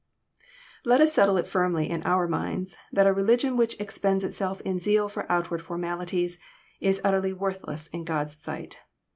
Let us settle it firmly in our minds that a religion which expends itself in zeal for outward formalities la utterless worthless in God's sight.